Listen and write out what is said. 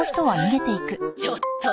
ちょっと！